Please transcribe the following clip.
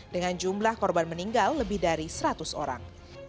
dengan jumlah korban meninggal lebih dari seratus orang